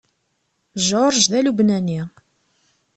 George d Alubnani.